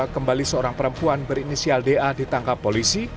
kembali seorang perempuan berinisial da ditangkap polisi